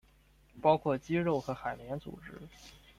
包括肌肉和海绵组织。